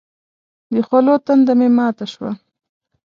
د خولو تنده مې ماته شوه.